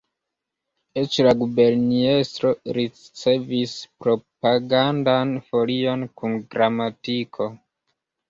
Eĉ la guberniestro ricevis propagandan folion kun gramatiko.